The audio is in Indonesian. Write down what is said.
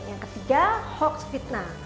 yang ketiga hoax fitnah